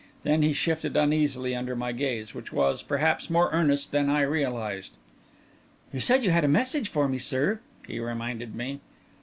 Then he shifted uneasily under my gaze, which was, perhaps, more earnest than I realised. "You said you had a message for me, sir," he reminded me.